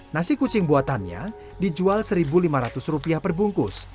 nasi kucing buatannya dijual rp satu lima ratus perbungkus